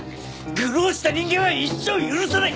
愚弄した人間は一生許さない！